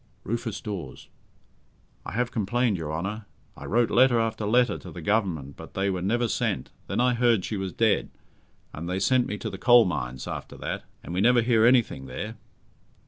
RUFUS DAWES I have complained, your Honour. I wrote letter after letter to the Government, but they were never sent. Then I heard she was dead, and they sent me to the Coal Mines after that, and we never hear anything there.